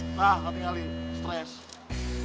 nah gak tinggalin stress